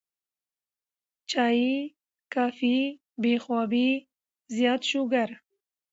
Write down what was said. چائے ، کافي ، بې خوابي ، زيات شوګر